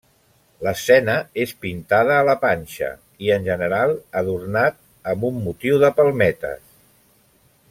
L'escena és pintada a la panxa, i en general adornat amb un motiu de palmetes.